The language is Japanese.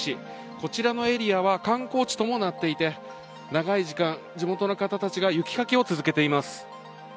こちらのエリアは観光地ともなっていて、長い時間地元の方たちが雪かきを続けています。